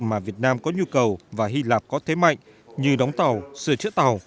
mà việt nam có nhu cầu và hy lạp có thế mạnh như đóng tàu sửa chữa tàu